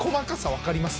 分かります？